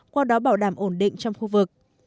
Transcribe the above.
qua đó bảo đảm ổn định trong khu vực